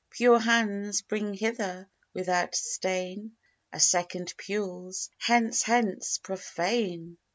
'Pure hands bring hither, without stain.' A second pules, 'Hence, hence, profane!'